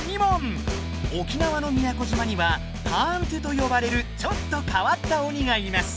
沖縄の宮古島には「パーントゥ」とよばれるちょっとかわった鬼がいます。